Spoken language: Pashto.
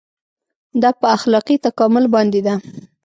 دا په اخلاقي تکامل باندې ده.